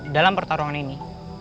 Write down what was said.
dalam pertarungan ini